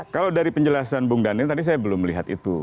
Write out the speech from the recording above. kalau dari penjelasan bung daniel tadi saya belum melihat itu